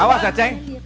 awas ya ceng